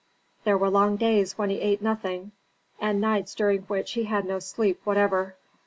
There were long days when he ate nothing, and nights during which he had no sleep whatever.